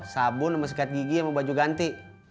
sabun sama sekat gigi sama baju ganti